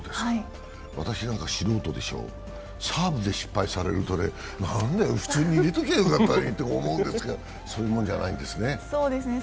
私なんか素人でしょう、サーブで失敗されると、なんだよ、普通に入れておけばよかったのにと思うんですが、そういうもんじゃないんですね。